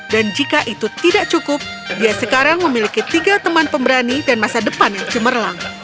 dan jika itu tidak cukup dia sekarang memiliki tiga teman pemberani dan masa depan yang cemerlang